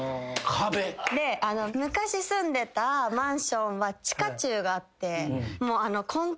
昔住んでたマンションは地下駐があって。